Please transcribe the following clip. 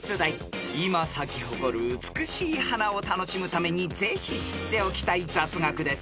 ［今咲き誇る美しい花を楽しむためにぜひ知っておきたい雑学です。